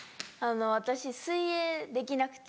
私水泳できなくて。